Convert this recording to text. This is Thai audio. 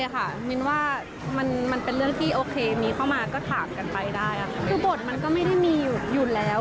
คือบทมันก็ไม่ได้มีอยู่แล้ว